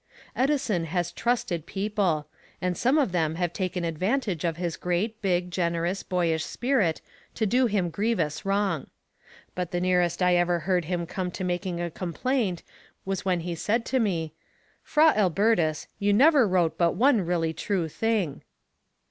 Edison has trusted people, and some of them have taken advantage of his great, big, generous, boyish spirit to do him grievous wrong. But the nearest I ever heard him come to making a complaint was when he said to me, "Fra Elbertus, you never wrote but one really true thing!"